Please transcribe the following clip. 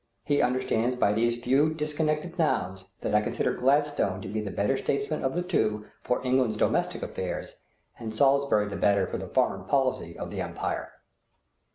He understands by these few disconnected nouns that I consider Gladstone to be the better statesman of the two for England's domestic affairs, and Salisbury the better for the foreign policy of the Empire.